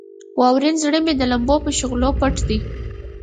واورین زړه مې د لمبو په شغلې پټ دی.